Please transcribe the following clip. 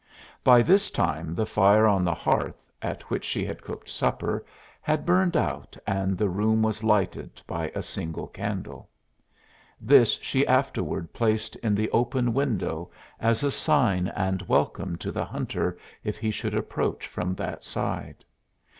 By this time the fire on the hearth, at which she had cooked supper, had burned out and the room was lighted by a single candle. This she afterward placed in the open window as a sign and welcome to the hunter if he should approach from that side.